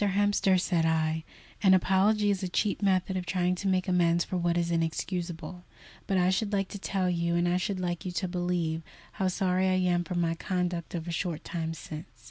Hemster," said I, "an apology is a cheap method of trying to make amends for what is inexcusable; but I should like to tell you, and I should like you to believe, how sorry I am for my conduct of a short time since.